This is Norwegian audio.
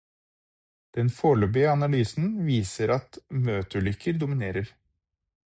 Den foreløpige analysen viser at møteulykker dominerer.